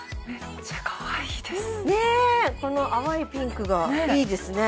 この淡いピンクがいいですね